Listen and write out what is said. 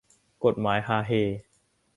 กฎหมายฮาเฮ